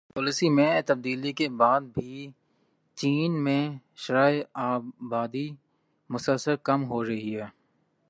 family planning policy میں تبدیلی کے بعد بھی چین میں شرح آبادی مسلسل کم ہو رہی ہے